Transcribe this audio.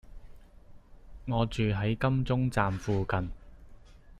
我住喺金鐘站附近